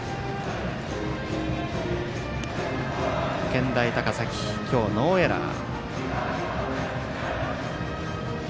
健大高崎、今日ノーエラー。